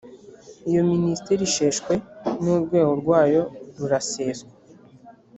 iyo minisiteri isheshwe n urwego rwayo ruraseswa